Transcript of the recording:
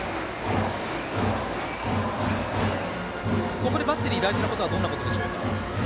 ここでバッテリー大事なことはどんなことでしょうか？